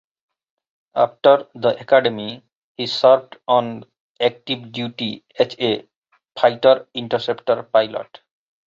After the Academy, he served on active duty as a fighter interceptor pilot.